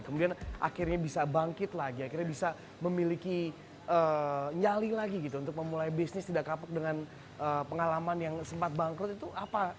kemudian akhirnya bisa bangkit lagi akhirnya bisa memiliki nyali lagi gitu untuk memulai bisnis tidak kapok dengan pengalaman yang sempat bangkrut itu apa